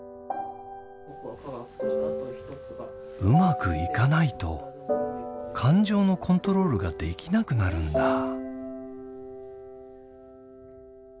うまくいかないと感情のコントロールができなくなるんだ。